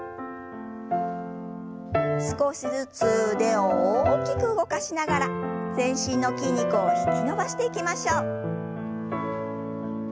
少しずつ腕を大きく動かしながら全身の筋肉を引き伸ばしていきましょう。